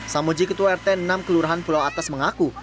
samuji ketua rt enam kelurahan pulau atas mengaku